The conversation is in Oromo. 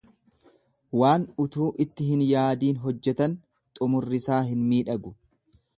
Waan utuu itti hin yaadiin hojjetan xumurrisaa hin miidhagu.